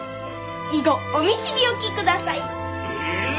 以後お見知り置きください。